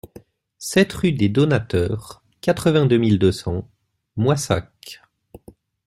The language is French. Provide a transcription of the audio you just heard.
sept rue des Donateurs, quatre-vingt-deux mille deux cents Moissac